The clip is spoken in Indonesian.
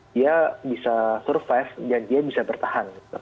dia bisa survive dan dia bisa bertahan